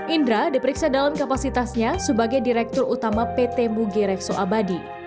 indra diperiksa dalam kapasitasnya sebagai direktur utama pt mugi rekso abadi